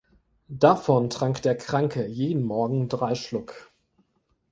Davon trank der Kranke jeden Morgen drei Schluck.